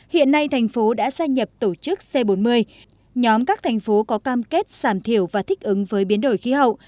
hiện nay thành phố đã gia nhập tổ chức c bốn mươi nhóm các thành phố có cam kết giảm thiểu và thích ứng với biến đổi khí hậu